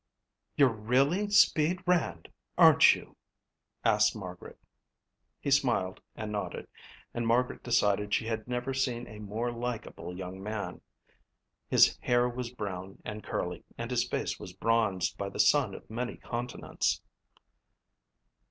"You're really 'Speed' Rand, aren't you?" asked Margaret. He smiled and nodded and Margaret decided she had never seen a more likable young man. His hair was brown and curly and his face was bronzed by the sun of many continents.